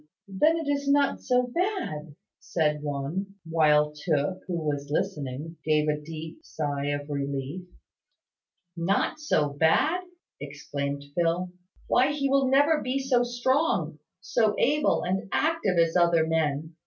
Then, it is not so bad," said one, while Tooke, who was listening, gave a deep sigh of relief. "Not so bad!" exclaimed Phil. "Why, he will never be so strong so able and active as other men.